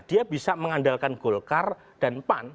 dia bisa mengandalkan golkar dan pan